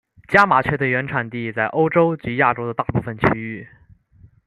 家麻雀的原产地在欧洲及亚洲的大部份区域。